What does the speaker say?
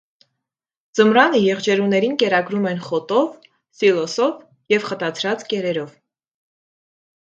Ձմռանը եղջերուներին կերակրում են խոտով, սիլոսով և խտացրած կերերով։